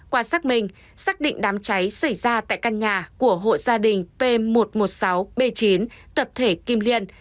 qua xác minh xác định đám cháy xảy ra tại căn nhà của hộ gia đình p một trăm một mươi sáu b chín tập thể kim liên